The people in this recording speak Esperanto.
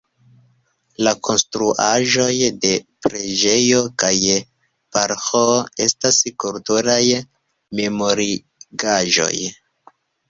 La konstruaĵoj de preĝejo kaj paroĥo estas kulturaj memorigaĵoj.